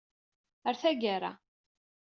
Ɣer taggara.